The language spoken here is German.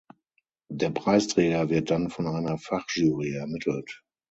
Der Preisträger wird dann von einer Fachjury ermittelt.